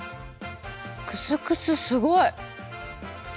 クスクスすごい！